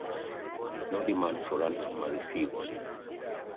No demands for ransom are received.